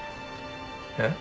えっ？